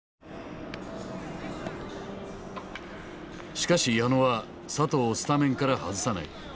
しかし矢野は佐藤をスタメンから外さない。